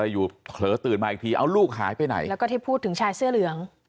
อยู่เผลอตื่นมาอีกทีเอาลูกหายไปไหนแล้วก็ที่พูดถึงชายเสื้อเหลือง